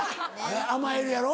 甘えるやろ？